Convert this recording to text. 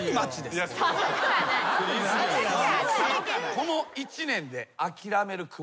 この１年で。